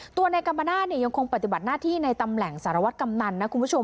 ตัวนายกรรมนาศยังคงปฏิบัติหน้าที่ในตำแหน่งสารวัตรกำนันนะคุณผู้ชม